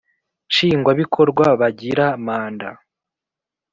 Nshingwabikorwa bagira manda